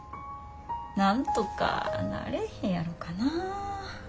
なんとかなれへんやろかなぁ。